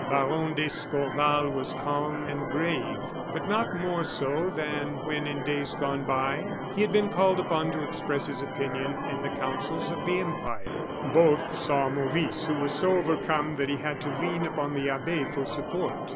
Baron d'Escorval was calm and grave; but not more so than when, in days gone by, he had been called upon to express his opinion in the councils of the Empire. Both saw Maurice, who was so overcome that he had to lean upon the abbe for support.